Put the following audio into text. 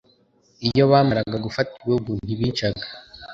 iyo bamaraga gufata ibihugu ntibicaga